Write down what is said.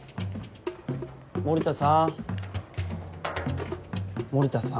森田さん森田さん。